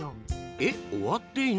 えっ終わっていない？